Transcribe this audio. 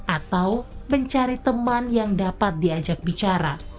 atau mencari teman yang dapat diajak bicara